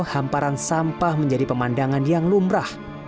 hamparan sampah menjadi pemandangan yang lumrah